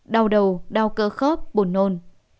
đau đầu đau cơ khớp buồn nôn